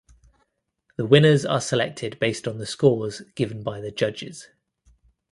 The winners are selected based on the scores given by the judges.